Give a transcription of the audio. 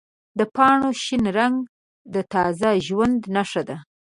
د پاڼو شین رنګ د تازه ژوند نښه ده.